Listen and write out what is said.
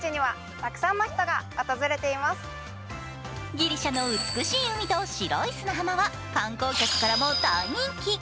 ギリシャの美しい海と白い砂浜は観光客からも大人気。